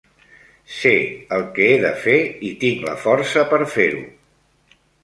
Sé el que he de fer i tinc la força per fer-ho.